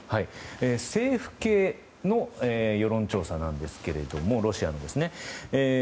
政府系の世論調査なんですけどロシアのですが。